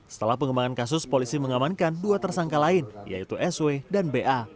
setelah pengembangan kasus polisi mengamankan dua tersangka lain yaitu sw dan ba